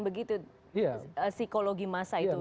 begitu psikologi masa itu